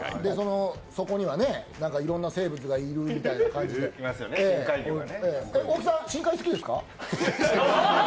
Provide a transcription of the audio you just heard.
底にはいろんな生物がいるみたいな感じで、大木さん、深海好きですか？